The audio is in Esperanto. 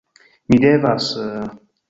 Mi devas...